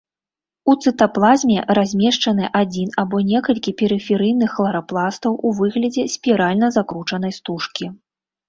У цытаплазме размешчаны адзін або некалькі перыферыйных хларапластаў у выглядзе спіральна закручанай стужкі.